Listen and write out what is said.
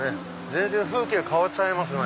全然風景変わっちゃいますね。